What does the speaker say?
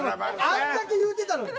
あんだけ言うてたのに。